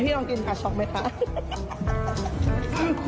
พี่ลองกินประช็อคไหมคะ